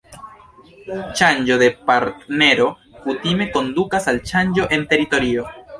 Ŝanĝo de partnero kutime kondukas al ŝanĝo en teritorio.